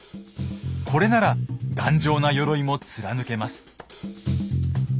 これなら頑丈なよろいも貫けます。